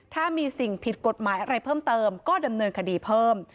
ถ้ามีสิ่งผิดกฎหมายอะไรเพิ่มเติมก็ดำเนินคดีเพิ่ม